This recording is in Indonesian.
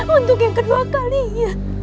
untuk yang kedua kalinya